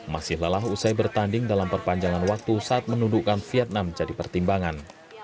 masih lelah usai bertanding dalam perpanjangan waktu saat menuduhkan vietnam jadi pertimbangan